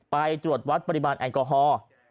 ไปตรวจวัดปริมาณแอลกอฮอล์